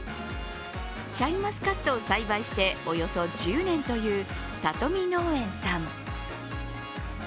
シャインマスカットを栽培しておよそ１０年という里見農園さん。